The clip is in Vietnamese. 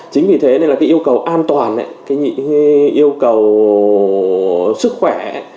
chính vì thế nên là cái yêu cầu an toàn cái yêu cầu sức khỏe